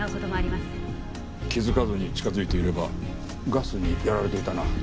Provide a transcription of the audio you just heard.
気づかずに近づいていればガスにやられていたな。